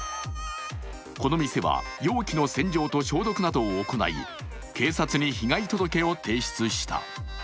この店は容器の洗浄と消毒などを行い、警察に被害届を提出した。